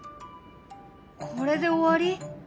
これで終わり？